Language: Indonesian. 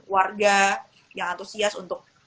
warga yang antusias untuk